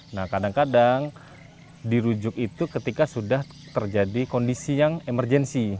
nah kadang kadang dirujuk itu ketika sudah terjadi kondisi yang emergensi